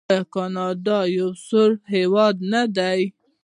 آیا کاناډا یو سوړ هیواد نه دی؟